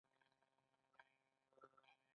په دې وخت کې بزګرانو د ځان لپاره کار کاوه.